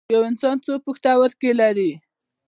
یو انسان څو پښتورګي لري